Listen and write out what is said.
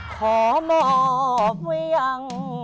ขอหมอบไว้ยัง